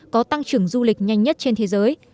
có tăng trưởng du lịch nhanh nhất trên thế giới